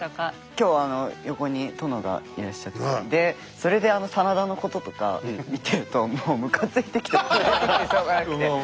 今日横に殿がいらっしゃってでそれであの真田のこととか見てるともうむかついてきてむかついてきてしょうがなくて。